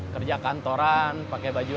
kerja kantoran pakai baju